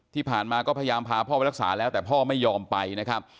ที่ผ่านมาก็พยายามพาพ่อไปรักษาแล้วแต่พ่อไม่ยอมไปนะครับ